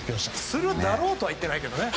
するだろうとは言っていないけどね。